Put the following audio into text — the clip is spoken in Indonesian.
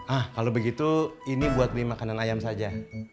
ah kalau begitu ini buat beli makanan ayam saja